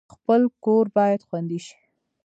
خپل کور باید خوندي شي